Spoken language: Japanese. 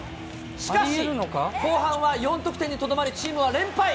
しかし、後半は４得点にとどまり、チームは連敗。